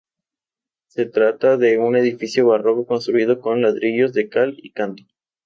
Se trata de un edificio barroco construido con ladrillos de cal y canto.